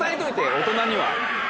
大人には。